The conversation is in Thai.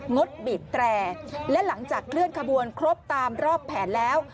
ดบีบแตรและหลังจากเคลื่อนขบวนครบตามรอบแผนแล้ว